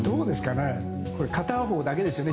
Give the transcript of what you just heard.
片方だけですよね。